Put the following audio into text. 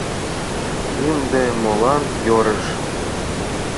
Ынде молан йӧрыш?